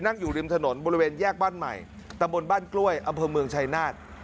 อยู่ริมถนนบริเวณแยกบ้านใหม่ตำบลบ้านกล้วยอำเภอเมืองชายนาฏ